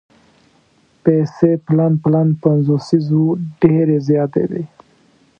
پیسې پلن پلن پنځوسیز وو ډېرې زیاتې وې.